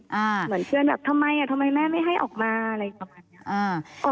ใช่เหมือนเพื่อนแบบทำไมทำไมแม่ไม่ให้ออกมาอะไรแบบนี้